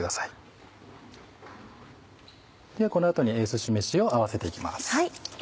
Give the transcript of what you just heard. ではこの後にすし飯を合わせて行きます。